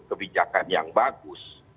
kebijakan yang bagus